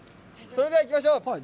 それでは行きましょう。